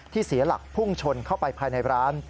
เสียหลักพุ่งชนเข้าไปภายในร้าน